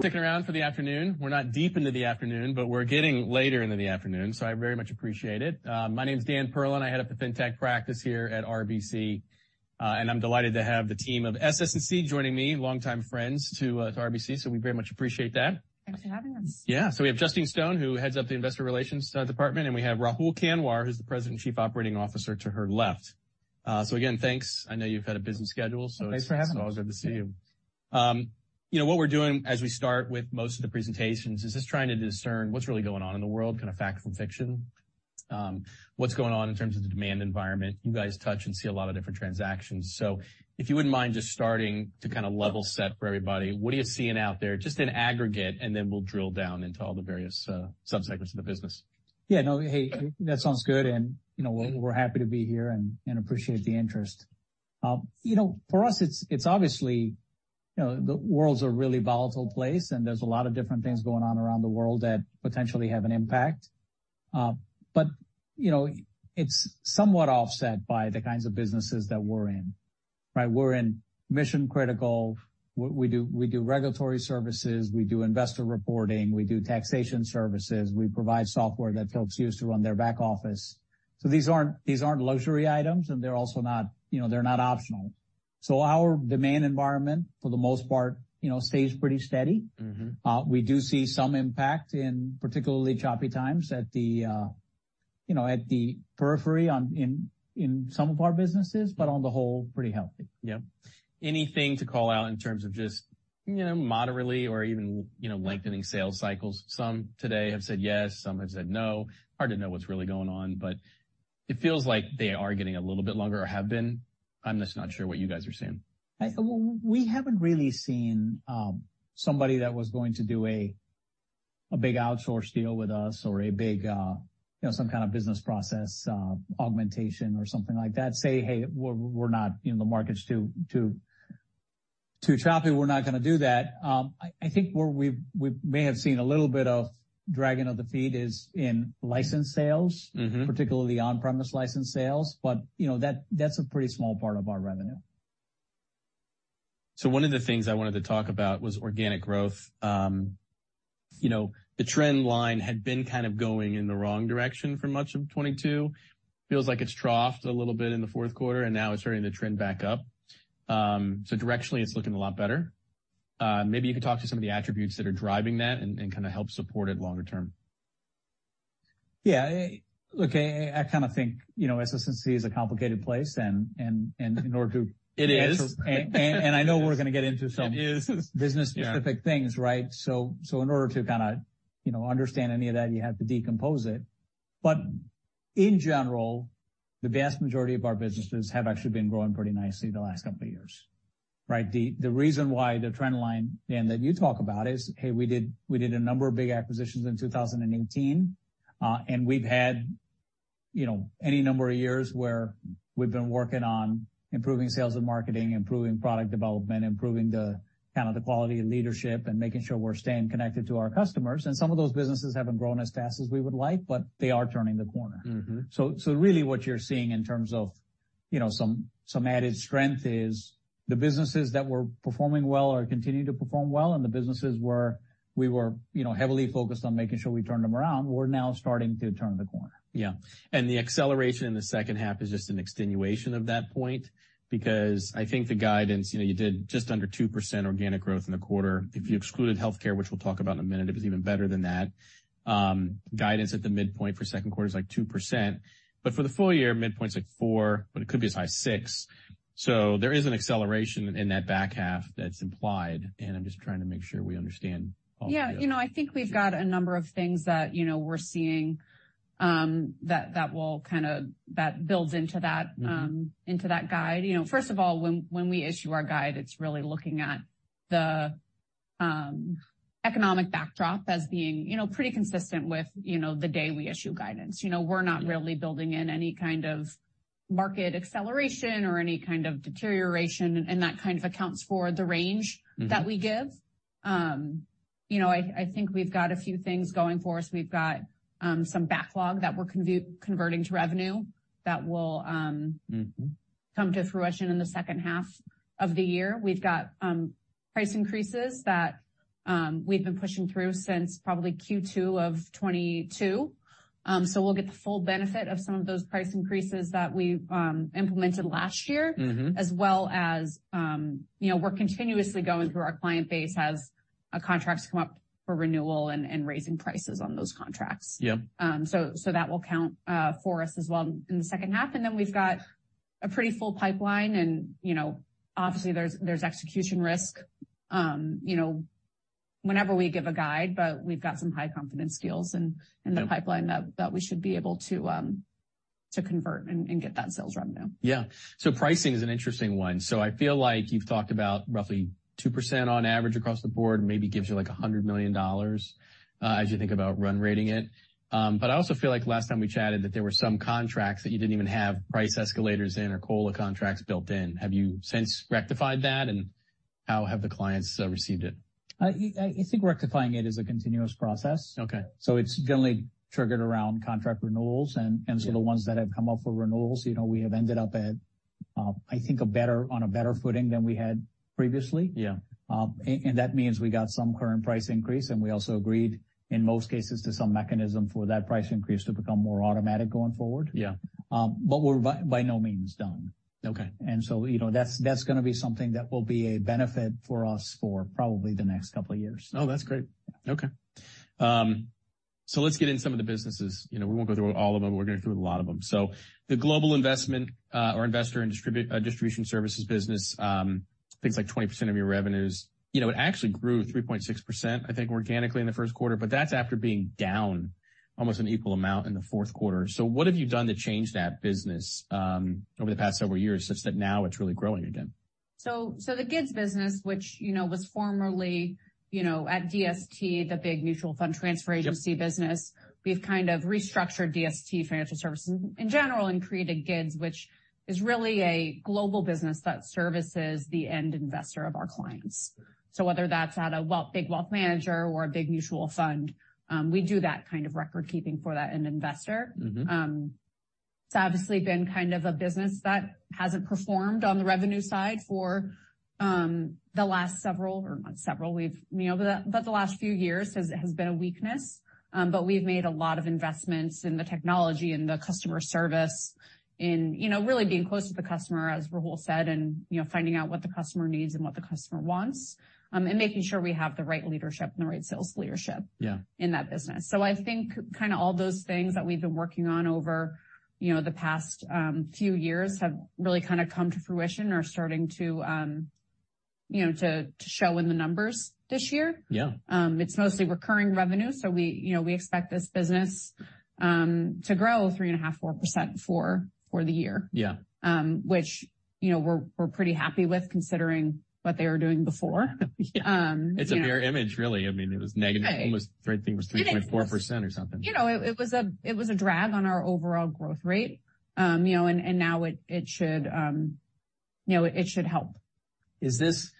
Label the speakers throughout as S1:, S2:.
S1: Sticking around for the afternoon. We're not deep into the afternoon, but we're getting later into the afternoon, so I very much appreciate it. My name's Dan Perlin. I head up the Fintech practice here at RBC, and I'm delighted to have the team of SS&C joining me, longtime friends to RBC, so we very much appreciate that.
S2: Thanks for having us.
S1: Yeah. So we have Justine Stone, who heads up the Investor Relations Department, and we have Rahul Kanwar, who's the President and Chief Operating Officer to her left. So again, thanks. I know you've had a busy schedule, so it's always good to see you. What we're doing as we start with most of the presentations is just trying to discern what's really going on in the world, kind of fact from fiction, what's going on in terms of the demand environment. You guys touch and see a lot of different transactions. So if you wouldn't mind just starting to kind of level set for everybody, what are you seeing out there just in aggregate, and then we'll drill down into all the various subsegments of the business?
S3: Yeah. No, hey, that sounds good, and we're happy to be here and appreciate the interest. For us, it's obviously the world's a really volatile place, and there's a lot of different things going on around the world that potentially have an impact, but it's somewhat offset by the kinds of businesses that we're in. We're in mission-critical. We do regulatory services. We do investor reporting. We do taxation services. We provide software that helps us to run their back-office, so these aren't luxury items, and they're also not optional, so our demand environment, for the most part, stays pretty steady. We do see some impact in particularly choppy times at the periphery in some of our businesses, but on the whole, pretty healthy.
S1: Yep. Anything to call out in terms of just moderately or even lengthening sales cycles? Some today have said yes. Some have said no. Hard to know what's really going on, but it feels like they are getting a little bit longer or have been. I'm just not sure what you guys are seeing.
S3: We haven't really seen somebody that was going to do a big outsource deal with us or some kind of business process augmentation or something like that say, "Hey, the market's too choppy. We're not going to do that." I think where we may have seen a little bit of dragging of the feet is in license sales, particularly on-premise license sales, but that's a pretty small part of our revenue.
S1: So one of the things I wanted to talk about was organic growth. The trend line had been kind of going in the wrong direction for much of 2022. Feels like it's troughed a little bit in the fourth quarter, and now it's starting to trend back up. So directionally, it's looking a lot better. Maybe you could talk to some of the attributes that are driving that and kind of help support it longer term.
S3: Yeah. Look, I kind of think SS&C is a complicated place, and in order to.
S1: It is.
S3: And I know we're going to get into some business-specific things, right? So in order to kind of understand any of that, you have to decompose it. But in general, the vast majority of our businesses have actually been growing pretty nicely the last couple of years, right? The reason why the trend line that you talk about is, hey, we did a number of big acquisitions in 2018, and we've had any number of years where we've been working on improving sales and marketing, improving product development, improving kind of the quality of leadership, and making sure we're staying connected to our customers. And some of those businesses haven't grown as fast as we would like, but they are turning the corner. So really what you're seeing in terms of some added strength is the businesses that were performing well or continued to perform well, and the businesses where we were heavily focused on making sure we turned them around, we're now starting to turn the corner.
S1: Yeah, and the acceleration in the second half is just an extension of that point because I think the guidance you did just under 2% organic growth in the quarter. If you excluded Healthcare, which we'll talk about in a minute, it was even better than that. Guidance at the midpoint for second quarter is like 2%. But for the full-year, midpoint's like 4%, but it could be as high as 6%. So there is an acceleration in that back half that's implied, and I'm just trying to make sure we understand all of that.
S2: Yeah. I think we've got a number of things that we're seeing that builds into that guide. First of all, when we issue our guide, it's really looking at the economic backdrop as being pretty consistent with the day we issue guidance. We're not really building in any kind of market acceleration or any kind of deterioration, and that kind of accounts for the range that we give. I think we've got a few things going for us. We've got some backlog that we're converting to revenue that will come to fruition in the second half of the year. We've got price increases that we've been pushing through since probably Q2 of 2022. So we'll get the full benefit of some of those price increases that we implemented last year, as well as we're continuously going through our client base as contracts come up for renewal and raising prices on those contracts, so that will count for us as well in the second half, and then we've got a pretty full pipeline, and obviously, there's execution risk whenever we give a guide, but we've got some high-confidence deals in the pipeline that we should be able to convert and get that sales revenue.
S1: Yeah. So pricing is an interesting one. So I feel like you've talked about roughly 2% on average across the board, maybe gives you like $100 million as you think about run-rate it. But I also feel like last time we chatted that there were some contracts that you didn't even have price escalators in or COLA contracts built in. Have you since rectified that, and how have the clients received it?
S3: I think rectifying it is a continuous process, so it's generally triggered around contract renewals, and so the ones that have come up for renewals, we have ended up at, I think, on a better footing than we had previously, and that means we got some current price increase, and we also agreed in most cases to some mechanism for that price increase to become more automatic going forward, but we're by no means done, and so that's going to be something that will be a benefit for us for probably the next couple of years.
S1: Oh, that's great. Okay. So let's get in some of the businesses. We won't go through all of them, but we're going to go through a lot of them. So the Global Investor and Distribution Services business, things like 20% of your revenues, it actually grew 3.6%, I think, organically in the first quarter, but that's after being down almost an equal amount in the fourth quarter. So what have you done to change that business over the past several years such that now it's really growing again?
S2: So the GIDS business, which was formerly at DST, the big mutual fund transfer agency business, we've kind of restructured DST Financial Services in general and created GIDS, which is really a global business that services the end investor of our clients. So whether that's at a big wealth manager or a big mutual fund, we do that kind of record-keeping for that end investor. It's obviously been kind of a business that hasn't performed on the revenue side for the last several, or not several, but the last few years has been a weakness. But we've made a lot of investments in the technology and the customer service, in really being close to the customer, as Rahul said, and finding out what the customer needs and what the customer wants, and making sure we have the right leadership and the right sales leadership in that business. I think kind of all those things that we've been working on over the past few years have really kind of come to fruition or are starting to show in the numbers this year. It's mostly recurring revenue. We expect this business to grow 3.5%-4% for the year, which we're pretty happy with considering what they were doing before.
S1: It's a bare image, really. I mean, it was negative. I think it was 3.4% or something.
S2: It was a drag on our overall growth rate, and now it should help.
S1: Is this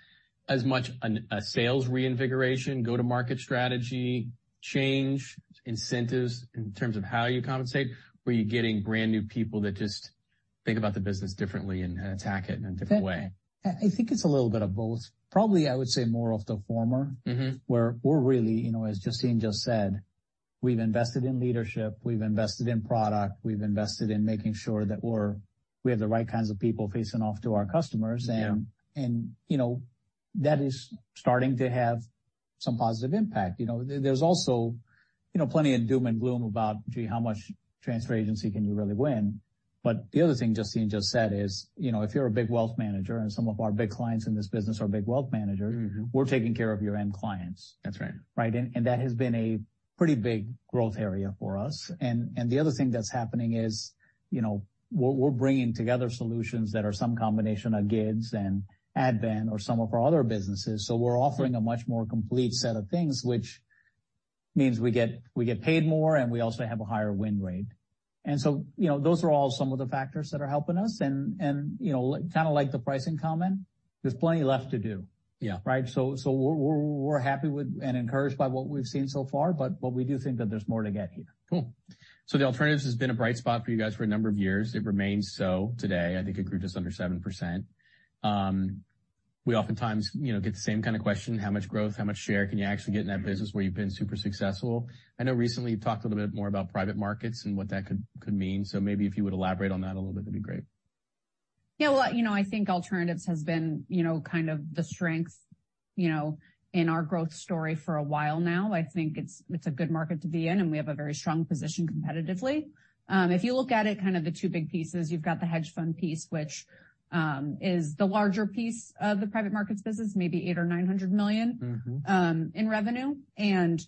S1: as much a sales reinvigoration, go-to-market strategy, change, incentives in terms of how you compensate? Or are you getting brand new people that just think about the business differently and attack it in a different way?
S3: I think it's a little bit of both. Probably, I would say more of the former, where we're really, as Justine just said, we've invested in leadership. We've invested in product. We've invested in making sure that we have the right kinds of people facing off to our customers, and that is starting to have some positive impact. There's also plenty of doom and gloom about, "Gee, how much transfer agency can you really win?" But the other thing Justine just said is if you're a big wealth manager and some of our big clients in this business are big wealth managers, we're taking care of your end clients.
S1: That's right.
S3: Right? And that has been a pretty big growth area for us. And the other thing that's happening is we're bringing together solutions that are some combination of GIDS and Advent or some of our other businesses. So we're offering a much more complete set of things, which means we get paid more, and we also have a higher win rate. And so those are all some of the factors that are helping us. And kind of like the pricing comment, there's plenty left to do, right? So we're happy and encouraged by what we've seen so far, but we do think that there's more to get here.
S1: Cool. So the Alternatives has been a bright spot for you guys for a number of years. It remains so today. I think it grew just under seven%. We oftentimes get the same kind of question: how much growth, how much share can you actually get in that business where you've been super successful? I know recently you talked a little bit more about private markets and what that could mean. So maybe if you would elaborate on that a little bit, that'd be great.
S2: Yeah. Well, I think Alternatives has been kind of the strength in our growth story for a while now. I think it's a good market to be in, and we have a very strong position competitively. If you look at it, kind of the two big pieces, you've got the hedge fund piece, which is the larger piece of the private markets business, maybe $800 million-$900 million in revenue. And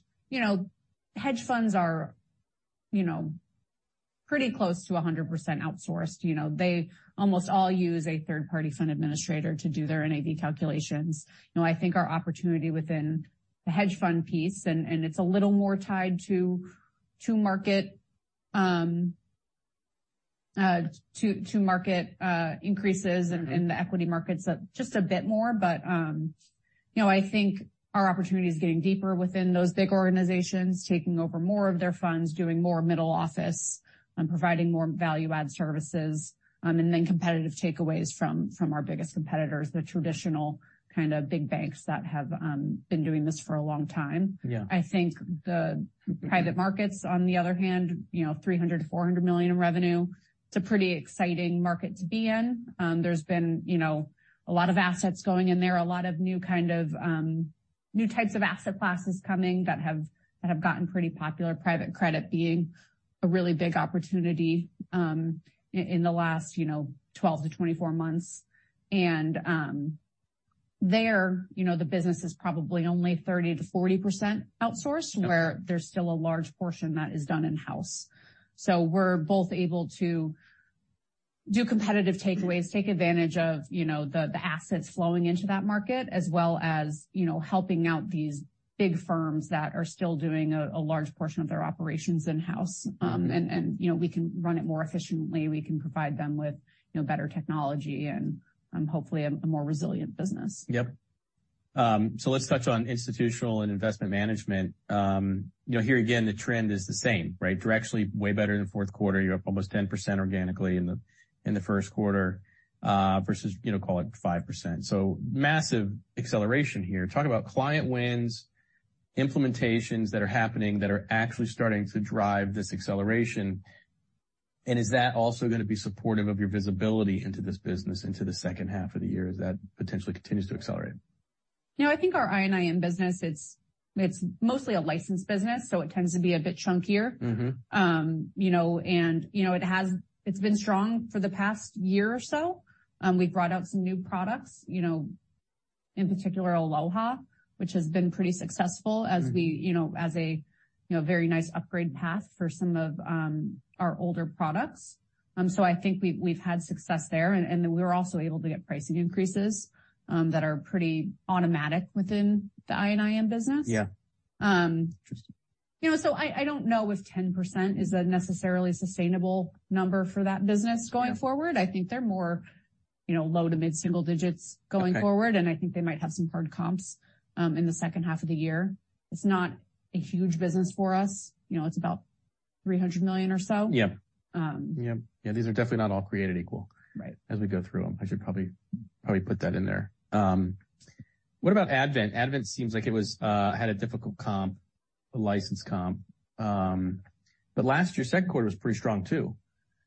S2: hedge funds are pretty close to 100% outsourced. They almost all use a third-party fund administrator to do their NAV calculations. I think our opportunity within the hedge fund piece, and it's a little more tied to market increases in the equity markets just a bit more. But I think our opportunity is getting deeper within those big organizations, taking over more of their funds, doing more middle office, providing more value-add services, and then competitive takeaways from our biggest competitors, the traditional kind of big banks that have been doing this for a long time. I think the private markets, on the other hand, $300-$400 million in revenue, it's a pretty exciting market to be in. There's been a lot of assets going in there, a lot of new kinds of asset classes coming that have gotten pretty popular, private credit being a really big opportunity in the last 12 to 24 months. And there, the business is probably only 30%-40% outsourced, where there's still a large portion that is done in-house. We're both able to do competitive takeaways, take advantage of the assets flowing into that market, as well as helping out these big firms that are still doing a large portion of their operations in-house. We can run it more efficiently. We can provide them with better technology and hopefully a more resilient business.
S1: Yep. So let's touch on Institutional and Investment Management. Here again, the trend is the same, right? Directionally, way better in the fourth quarter. You're up almost 10% organically in the first quarter versus call it 5%. So massive acceleration here. Talk about client wins, implementations that are happening that are actually starting to drive this acceleration. And is that also going to be supportive of your visibility into this business into the second half of the year as that potentially continues to accelerate?
S2: I think our I&IM business, it's mostly a licensed business, so it tends to be a bit chunkier. And it's been strong for the past year or so. We've brought out some new products, in particular, Aloha, which has been pretty successful as a very nice upgrade path for some of our older products. So I think we've had success there. And we were also able to get pricing increases that are pretty automatic within the I&IM business.
S1: Yeah. Interesting.
S2: So I don't know if 10% is a necessarily sustainable number for that business going forward. I think they're more low- to mid-single digits going forward, and I think they might have some hard comps in the second half of the year. It's not a huge business for us. It's about $300 million or so.
S1: Yeah. Yeah. These are definitely not all created equal as we go through them. I should probably put that in there. What about Advent? Advent seems like it had a difficult comp, a licensed comp. But last year, second quarter was pretty strong too.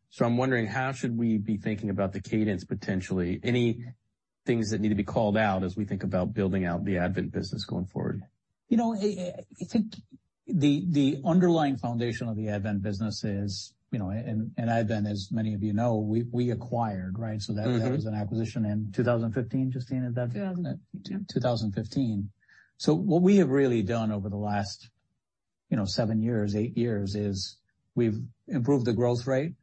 S1: So I'm wondering, how should we be thinking about the cadence potentially? Any things that need to be called out as we think about building out the Advent business going forward?
S3: I think the underlying foundation of the Advent business is, and Advent, as many of you know, we acquired, right? So that was an acquisition in 2015, Justine, is that?
S2: 2015.
S3: 2015. So what we have really done over the last seven years, eight years is we've improved the growth rate,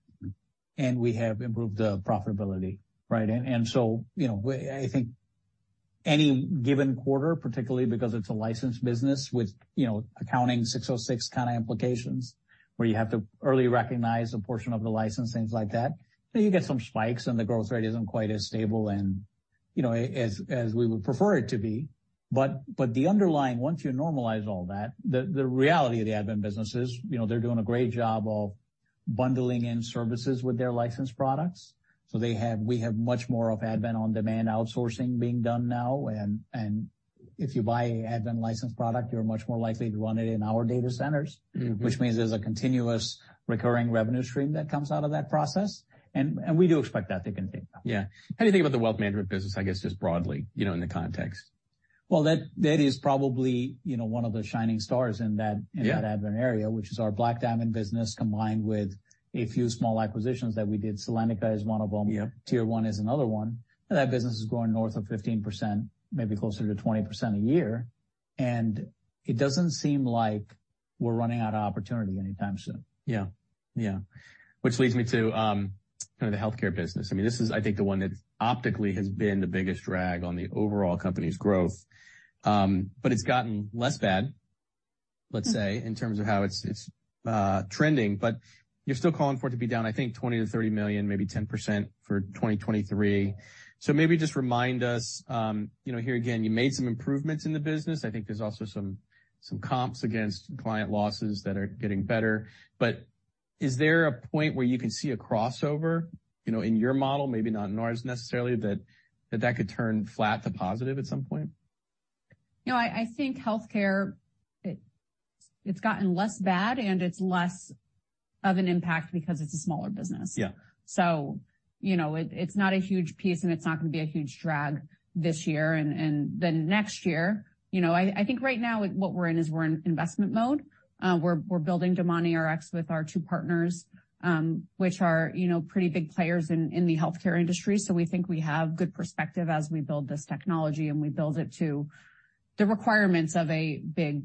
S3: and we have improved the profitability, right? And so I think any given quarter, particularly because it's a licensed business with ASC 606 kind of implications where you have to early recognize a portion of the license, things like that, you get some spikes, and the growth rate isn't quite as stable as we would prefer it to be. But the underlying, once you normalize all that, the reality of the Advent business is they're doing a great job of bundling in services with their licensed products. So we have much more of Advent OnDemand outsourcing being done now. If you buy an Advent licensed product, you're much more likely to run it in our data centers, which means there's a continuous recurring revenue stream that comes out of that process. We do expect that to continue.
S1: Yeah. How do you think about the wealth management business, I guess, just broadly in the context?
S3: That is probably one of the shining stars in that Advent area, which is our Black Diamond business combined with a few small acquisitions that we did. Salentica is one of them. Tier 1 is another one. That business is growing north of 15%, maybe closer to 20% a year. It doesn't seem like we're running out of opportunity anytime soon.
S1: Yeah. Yeah. Which leads me to kind of the Healthcare business. I mean, this is, I think, the one that optically has been the biggest drag on the overall company's growth. But it's gotten less bad, let's say, in terms of how it's trending. But you're still calling for it to be down, I think, $20 million-$30 million, maybe 10% for 2023. So maybe just remind us here again, you made some improvements in the business. I think there's also some comps against client losses that are getting better. But is there a point where you can see a crossover in your model, maybe not in ours necessarily, that that could turn flat to positive at some point?
S2: I think Healthcare, it's gotten less bad, and it's less of an impact because it's a smaller business. So it's not a huge piece, and it's not going to be a huge drag this year and then next year. I think right now what we're in is we're in investment mode. We're building DomaniRx with our two partners, which are pretty big players in the healthcare industry. So we think we have good perspective as we build this technology, and we build it to the requirements of a big,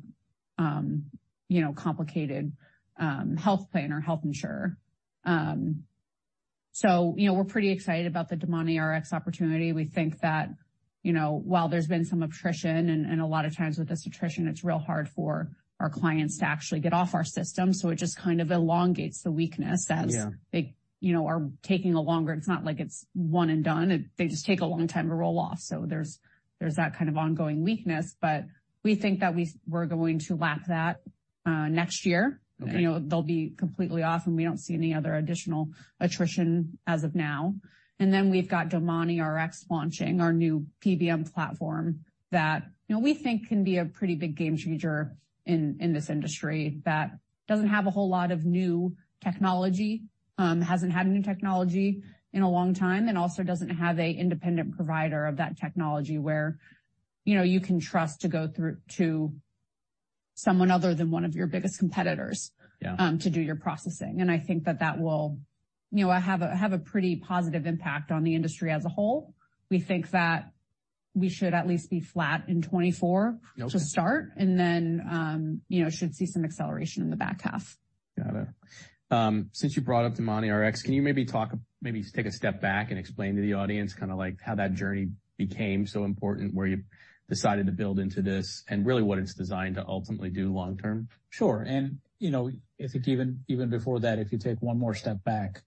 S2: complicated health plan or health insurer. So we're pretty excited about the DomaniRx opportunity. We think that while there's been some attrition, and a lot of times with this attrition, it's real hard for our clients to actually get off our system. So it just kind of elongates the weakness as they are taking a longer. It's not like it's one and done. They just take a long time to roll off. So there's that kind of ongoing weakness. But we think that we're going to lap that next year. They'll be completely off, and we don't see any other additional attrition as of now. And then we've got DomaniRx launching, our new PBM platform that we think can be a pretty big game changer in this industry that doesn't have a whole lot of new technology, hasn't had new technology in a long time, and also doesn't have an independent provider of that technology where you can trust to go to someone other than one of your biggest competitors to do your processing. And I think that that will have a pretty positive impact on the industry as a whole. We think that we should at least be flat in 2024 to start, and then should see some acceleration in the back half.
S1: Got it. Since you brought up DomaniRx, can you maybe take a step back and explain to the audience kind of how that journey became so important where you decided to build into this and really what it's designed to ultimately do long-term?
S3: Sure. And I think even before that, if you take one more step back,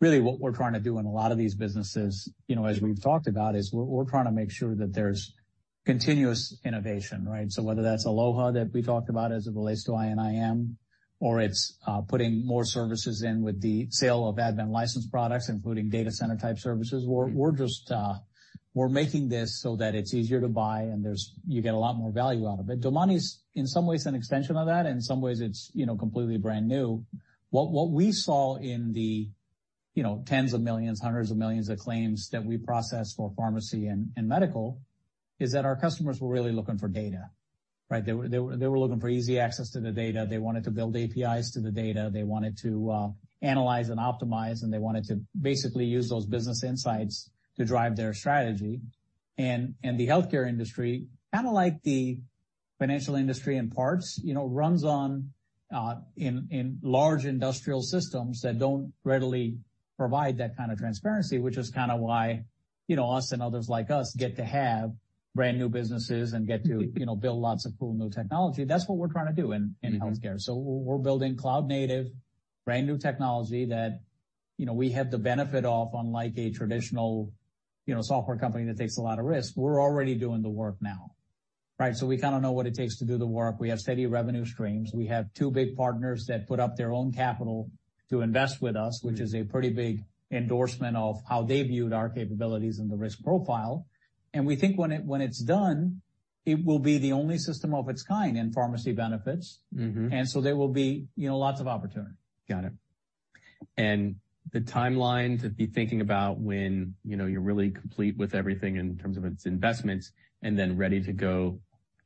S3: really what we're trying to do in a lot of these businesses, as we've talked about, is we're trying to make sure that there's continuous innovation, right? So whether that's Aloha that we talked about as it relates to I&IM, or it's putting more services in with the sale of Advent licensed products, including data center-type services, we're making this so that it's easier to buy, and you get a lot more value out of it. DomaniRx is, in some ways, an extension of that. In some ways, it's completely brand new. What we saw in the tens of millions, hundreds of millions of claims that we process for pharmacy and medical is that our customers were really looking for data, right? They were looking for easy access to the data. They wanted to build APIs to the data. They wanted to analyze and optimize, and they wanted to basically use those business insights to drive their strategy, and the healthcare industry, kind of like the financial industry in parts, runs on large industrial systems that don't readily provide that kind of transparency, which is kind of why us and others like us get to have brand new businesses and get to build lots of cool new technology. That's what we're trying to do in Healthcare, so we're building cloud-native brand new technology that we have the benefit of, unlike a traditional software company that takes a lot of risk. We're already doing the work now, right, so we kind of know what it takes to do the work. We have steady revenue streams. We have two big partners that put up their own capital to invest with us, which is a pretty big endorsement of how they viewed our capabilities and the risk profile, and we think when it's done, it will be the only system of its kind in pharmacy benefits, and so there will be lots of opportunity.
S1: Got it. And the timeline to be thinking about when you're really complete with everything in terms of its investments and then ready to go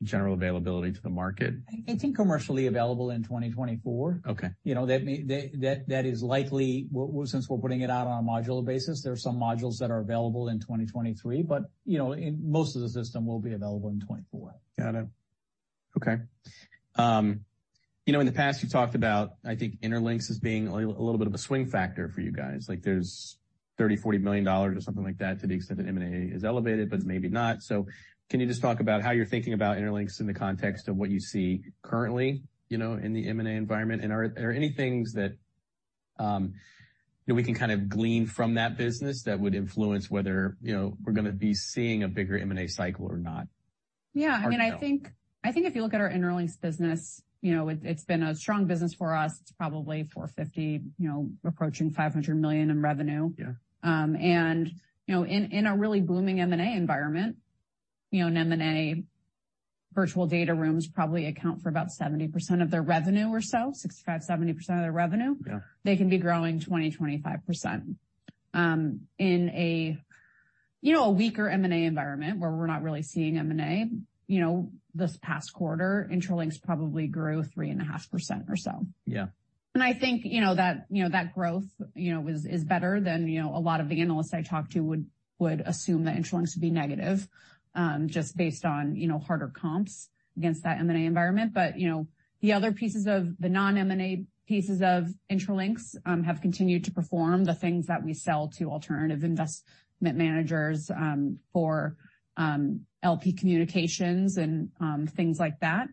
S1: general availability to the market?
S3: I think commercially available in 2024. That is likely since we're putting it out on a modular basis, there are some modules that are available in 2023, but most of the system will be available in 2024.
S1: Got it. Okay. In the past, you talked about, I think, Intralinks as being a little bit of a swing factor for you guys. There's $30-$40 million or something like that to the extent that M&A is elevated, but maybe not. So can you just talk about how you're thinking about Intralinks in the context of what you see currently in the M&A environment? And are there any things that we can kind of glean from that business that would influence whether we're going to be seeing a bigger M&A cycle or not?
S2: Yeah. I mean, I think if you look at our Intralinks business, it's been a strong business for us. It's probably $450 million approaching $500 million in revenue. And in a really booming M&A environment, an M&A virtual data room probably accounts for about 70% of their revenue or so, 65%-70% of their revenue. They can be growing 20%-25%. In a weaker M&A environment where we're not really seeing M&A, this past quarter, Intralinks probably grew 3.5% or so. And I think that growth is better than a lot of the analysts I talked to would assume that Intralinks would be negative just based on harder comps against that M&A environment. But the other pieces of the non-M&A pieces of Intralinks have continued to perform the things that we sell to alternative investment managers for LP communications and things like that,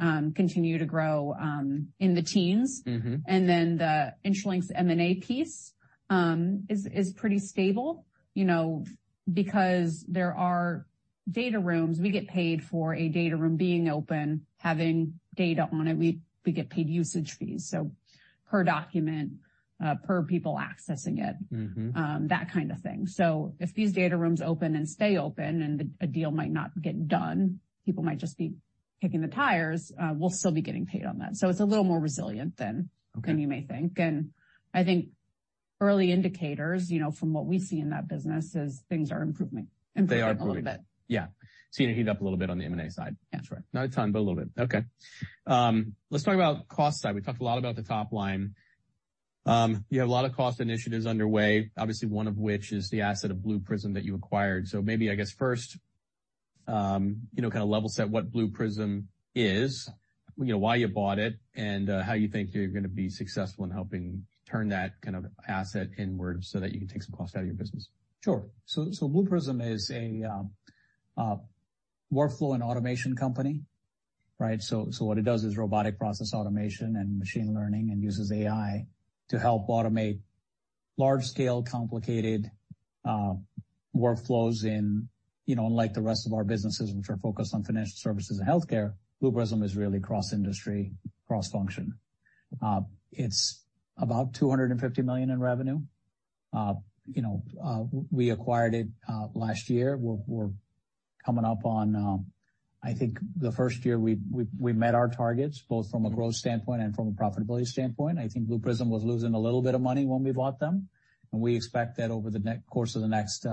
S2: continue to grow in the teens. Then the Intralinks M&A piece is pretty stable because there are data rooms. We get paid for a data room being open, having data on it. We get paid usage fees, so per document, per people accessing it, that kind of thing. So if these data rooms open and stay open and a deal might not get done, people might just be kicking the tires, we'll still be getting paid on that. So it's a little more resilient than you may think. And I think early indicators from what we see in that business is things are improving a little bit.
S1: They are improving. Yeah. So you need to heat up a little bit on the M&A side. That's right. Not a ton, but a little bit. Okay. Let's talk about cost side. We talked a lot about the top line. You have a lot of cost initiatives underway, obviously, one of which is the asset of Blue Prism that you acquired. So maybe, I guess, first, kind of level set what Blue Prism is, why you bought it, and how you think you're going to be successful in helping turn that kind of asset inward so that you can take some cost out of your business.
S3: Sure. So Blue Prism is a workflow and automation company, right? So what it does is robotic process automation and machine learning and uses AI to help automate large-scale complicated workflows. In unlike the rest of our businesses, which are focused on financial services and Healthcare, Blue Prism is really cross-industry, cross-function. It's about $250 million in revenue. We acquired it last year. We're coming up on, I think, the first year we met our targets, both from a growth standpoint and from a profitability standpoint. I think Blue Prism was losing a little bit of money when we bought them. And we expect that over the course of the next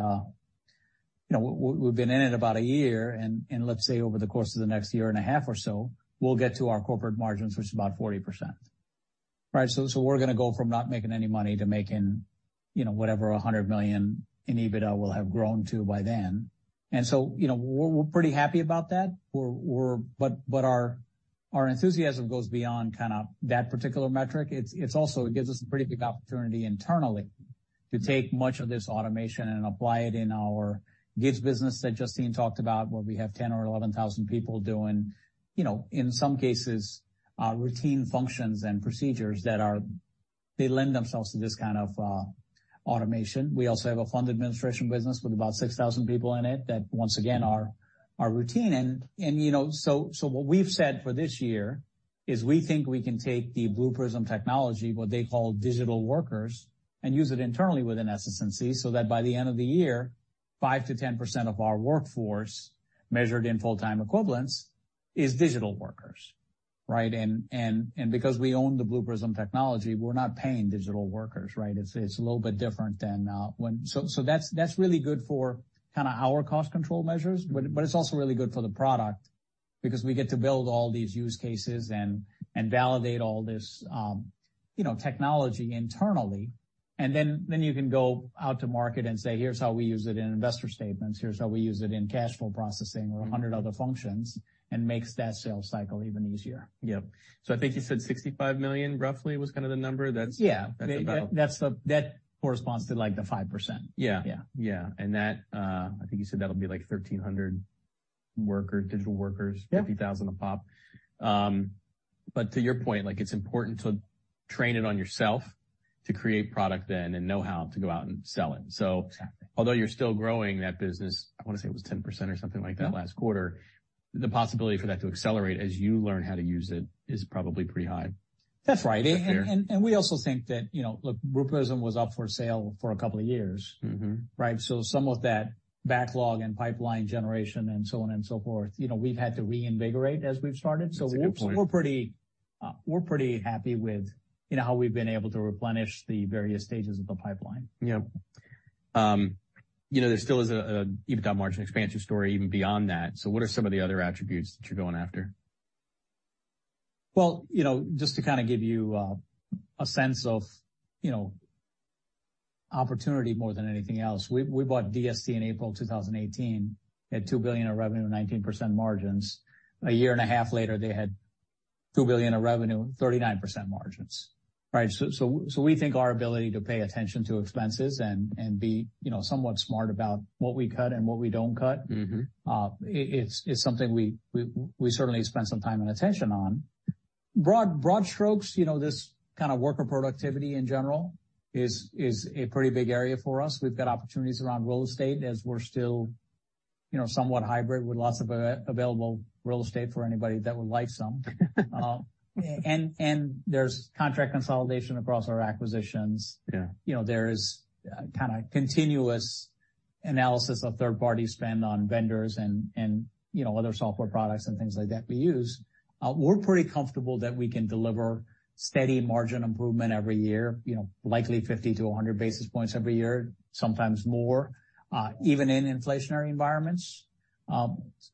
S3: we've been in it about a year. And let's say over the course of the next year and a half or so, we'll get to our corporate margins, which is about 40%, right? So we're going to go from not making any money to making whatever $100 million in EBITDA we'll have grown to by then. And so we're pretty happy about that. But our enthusiasm goes beyond kind of that particular metric. It gives us a pretty big opportunity internally to take much of this automation and apply it in our GIDS business that Justine talked about, where we have 10 or 11,000 people doing, in some cases, routine functions and procedures that lend themselves to this kind of automation. We also have a fund administration business with about 6,000 people in it that, once again, are routine. And so what we've said for this year is we think we can take the Blue Prism technology, what they call digital workers, and use it internally within SS&C so that by the end of the year, 5%-10% of our workforce, measured in full-time equivalents, is digital workers, right? And because we own the Blue Prism technology, we're not paying digital workers, right? It's a little bit different than when so that's really good for kind of our cost control measures. But it's also really good for the product because we get to build all these use cases and validate all this technology internally. And then you can go out to market and say, "Here's how we use it in investor statements. Here's how we use it in cash flow processing or 100 other functions," and makes that sales cycle even easier.
S1: Yeah, so I think you said $65 million, roughly, was kind of the number. That's about it.
S3: Yeah. That corresponds to like the 5%.
S1: Yeah. Yeah, and I think you said that'll be like 1,300 digital workers, $50,000 a pop, but to your point, it's important to train it on yourself to create product then and know how to go out and sell it, so although you're still growing that business, I want to say it was 10% or something like that last quarter, the possibility for that to accelerate as you learn how to use it is probably pretty high.
S3: That's right. And we also think that, look, Blue Prism was up for sale for a couple of years, right? So some of that backlog and pipeline generation and so on and so forth, we've had to reinvigorate as we've started. So we're pretty happy with how we've been able to replenish the various stages of the pipeline.
S1: Yeah. There still is an EBITDA margin expansion story even beyond that. So what are some of the other attributes that you're going after?
S3: Just to kind of give you a sense of opportunity more than anything else, we bought DST in April 2018, had $2 billion of revenue, 19% margins. A year and a half later, they had $2 billion of revenue, 39% margins, right? So we think our ability to pay attention to expenses and be somewhat smart about what we cut and what we don't cut is something we certainly spend some time and attention on. Broad strokes, this kind of worker productivity in general is a pretty big area for us. We've got opportunities around real estate as we're still somewhat hybrid with lots of available real estate for anybody that would like some. And there's contract consolidation across our acquisitions. There is kind of continuous analysis of third-party spend on vendors and other software products and things like that we use. We're pretty comfortable that we can deliver steady margin improvement every year, likely 50-100 basis points every year, sometimes more, even in inflationary environments.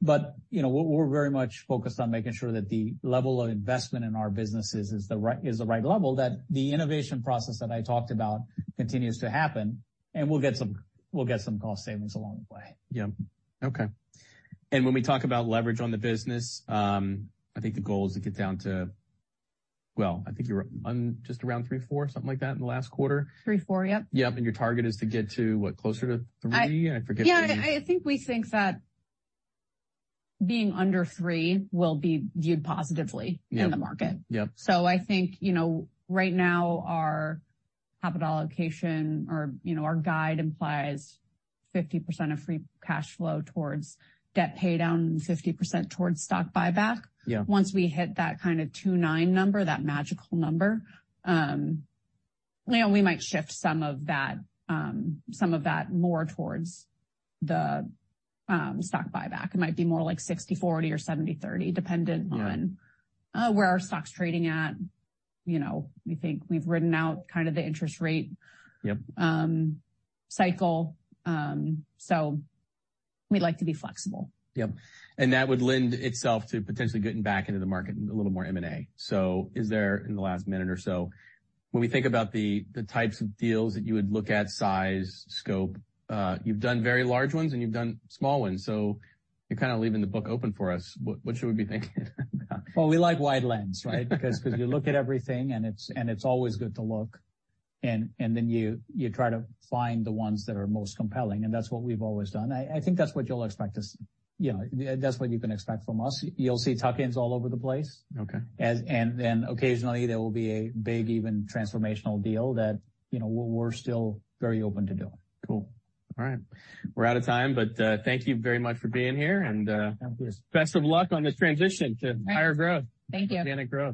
S3: But we're very much focused on making sure that the level of investment in our businesses is the right level, that the innovation process that I talked about continues to happen, and we'll get some cost savings along the way.
S1: Yeah. Okay. And when we talk about leverage on the business, I think the goal is to get down to, well, I think you were just around three, four, something like that in the last quarter.
S2: Three, four, yep.
S1: Yep. And your target is to get to, what, closer to three? I forget the.
S2: Yeah. I think we think that being under three will be viewed positively in the market. So I think right now our capital allocation or our guide implies 50% of free cash flow towards debt pay down and 50% towards stock buyback. Once we hit that kind of 2.9 number, that magical number, we might shift some of that more towards the stock buyback. It might be more like 60/40 or 70/30, dependent on where our stock's trading at. We think we've written out kind of the interest rate cycle. So we'd like to be flexible.
S1: Yep. And that would lend itself to potentially getting back into the market and a little more M&A. So is there, in the last minute or so, when we think about the types of deals that you would look at, size, scope, you've done very large ones and you've done small ones. So you're kind of leaving the book open for us. What should we be thinking about?
S3: We like wide lens, right? Because you look at everything and it's always good to look. And then you try to find the ones that are most compelling. And that's what we've always done. I think that's what you'll expect us. That's what you can expect from us. You'll see tuck-ins all over the place. And then occasionally there will be a big, even transformational deal that we're still very open to doing.
S1: Cool. All right. We're out of time, but thank you very much for being here. And best of luck on the transition to higher growth.
S2: Thank you.